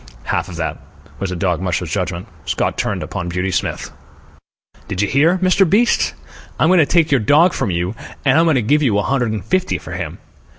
"Half of that," was the dog musher's judgment. Scott turned upon Beauty Smith. "Did you hear, Mr. Beast? I'm going to take your dog from you, and I'm going to give you a hundred and fifty for him."